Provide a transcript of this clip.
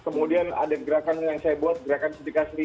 kemudian ada gerakan yang saya buat gerakan setika seribu